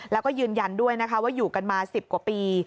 แล้วก็ยืนยันด้วยนะคะว่าอยู่กันมา๑๐กว่าปี